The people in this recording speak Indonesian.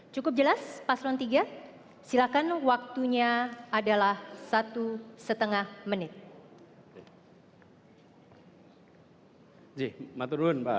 cukup jelas paslon tiga silakan waktunya adalah satu setengah menit